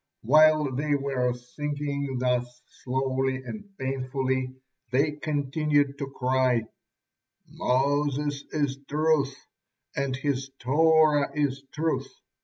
While they were sinking thus slowly and painfully, they continued to cry: "Moses is truth and his Torah is truth.